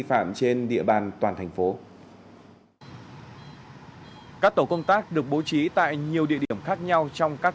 phạm trên địa bàn toàn thành phố các tổ công tác được bố trí tại nhiều địa điểm khác nhau trong các